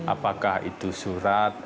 apakah itu surat